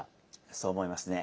そう思いますね。